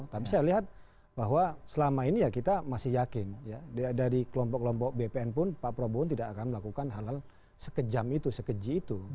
tapi saya lihat bahwa selama ini ya kita masih yakin ya dari kelompok kelompok bpn pun pak prabowo tidak akan melakukan hal hal sekejam itu sekeji itu